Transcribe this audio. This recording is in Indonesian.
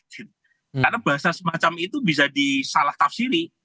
karena bahasa semacam itu bisa disalah tafsiri